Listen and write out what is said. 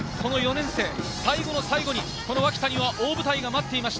ただ４年生、最後の最後に脇田に大舞台が待っていました。